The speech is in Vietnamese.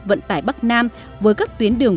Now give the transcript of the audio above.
vận tải bắc nam với các tuyến đường